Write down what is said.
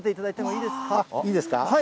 いいですか？